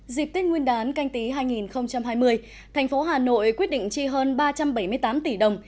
dịp tết nguyên đán canh tí hai nghìn hai mươi thành phố hà nội quyết định chi hơn ba trăm bảy mươi tám tỷ đồng